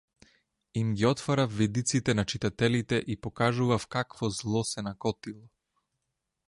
Им ги отворав видиците на читателите и покажував какво зло се накотило.